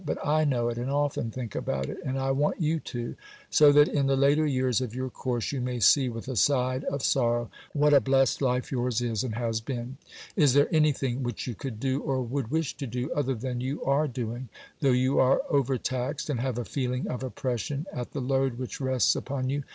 But I know it and often think about it, and I want you to, so that in the later years of your course you may see (with a side of sorrow) what a blessed life yours is and has been. Is there anything which you could do, or would wish to do, other than you are doing? though you are overtaxed and have a feeling of oppression at the load which rests upon you.